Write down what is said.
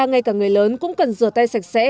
ngay cả người lớn cũng cần rửa tay sạch sẽ